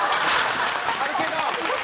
あるけど。